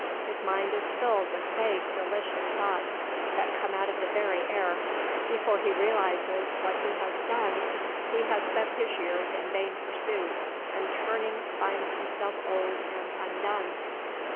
His mind is filled with vague, delicious thoughts that come out of the very air; before he realises what he has done he has spent his years in vain pursuit and turning finds himself old and undone."